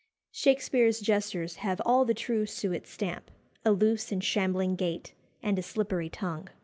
Shakspere's jesters "have all the true Suett stamp a loose and shambling gait, and a slippery tongue."